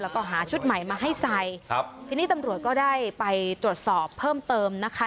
แล้วก็หาชุดใหม่มาให้ใส่ครับทีนี้ตำรวจก็ได้ไปตรวจสอบเพิ่มเติมนะคะ